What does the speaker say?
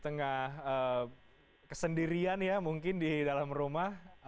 tengah kesendirian ya mungkin di dalam rumah